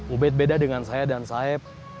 ubed beda dengan saya dan saib